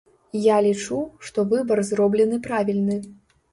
Я лічу, што выбар зроблены правільны.